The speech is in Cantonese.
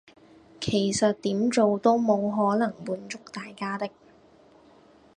其實點做都冇可能滿足大家的